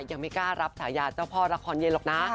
ยังไม่กล้ารับฉายาเจ้าพ่อละครเย็นหรอกนะ